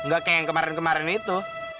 gak kayak yang kemarin kemarin itu